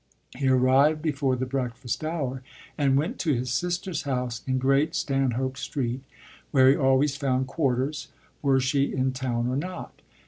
He arrived before the breakfast hour and went to his sister's house in Great Stanhope Street, where he always found quarters, were she in town or not.